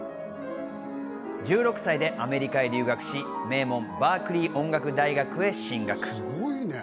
１６歳でアメリカへ留学し、名門バークリー音楽大学へ進学。